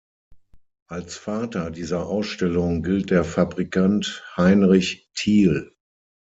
Als Vater dieser Ausstellung gilt der Fabrikant Heinrich Thiel.